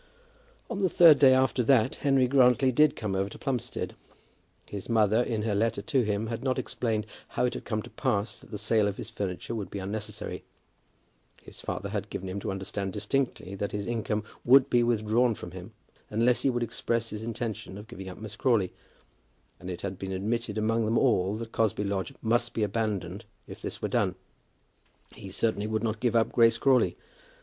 On the third day after that Henry Grantly did come over to Plumstead. His mother in her letter to him had not explained how it had come to pass that the sale of his furniture would be unnecessary. His father had given him to understand distinctly that his income would be withdrawn from him unless he would express his intention of giving up Miss Crawley; and it had been admitted among them all that Cosby Lodge must be abandoned if this were done. He certainly would not give up Grace Crawley.